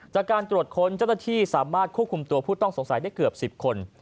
จากการตรวจค้นเจ้าหน้าที่สามารถควบคุมตัวผู้ต้องสงสัยได้เกือบ๑๐คน